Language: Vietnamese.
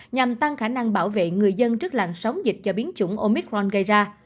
nhằm tăng khả năng bảo vệ người dân trước làn sóng dịch do biến chủng omicron gây ra